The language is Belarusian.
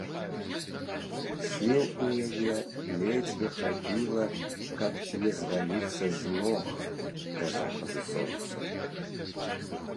Сіл у яе ледзьве хапіла, каб не зваліцца з ног да захаду сонца.